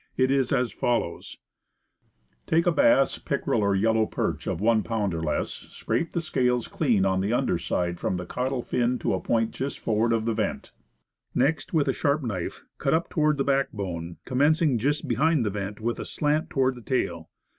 It is as follows: Take a bass, pickerel, or yellow perch, of one pound or less; scrape the scales clean on the under side from the caudal fin to a point just forward of the vent. Next, with a sharp knife, cut up toward the backbone, commencing just behind the vent with a slant toward the tail.